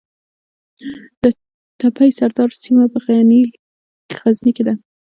د تپې سردار سیمه په غزني کې ده